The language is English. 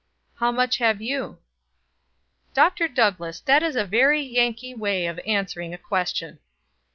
"How much have you?" "Dr. Douglass, that is a very Yankee way of answering a question."